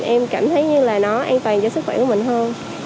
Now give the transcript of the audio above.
em cảm thấy như là nó an toàn cho sức khỏe của mình hơn